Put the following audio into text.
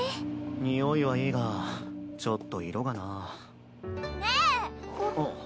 匂いはいいがちょっと色がな。ねえ！あっ。